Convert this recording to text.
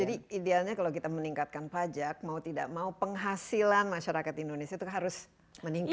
jadi idealnya kalau kita meningkatkan pajak mau tidak mau penghasilan masyarakat indonesia itu harus meningkat